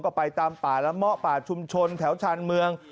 ก็ไปตามป่าละเมาะป่าชุมชนแถวชาญเมือง